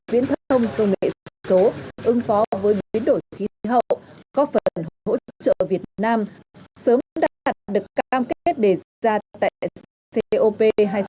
viễn thông công nghệ số ứng phó với biến đổi khí hậu có phần hỗ trợ việt nam sớm đạt được cam kết để diễn ra tại cop hai mươi sáu